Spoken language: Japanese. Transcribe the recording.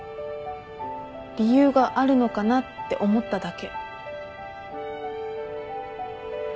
理由があるのかなって思っただけ。